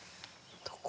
どこ。